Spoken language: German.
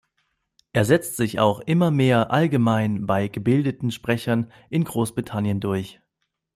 Er setzt sich auch immer mehr allgemein bei gebildeten Sprechern in Großbritannien durch.